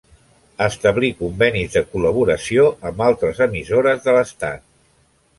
Establí convenis de col·laboració amb altres emissores de l'estat.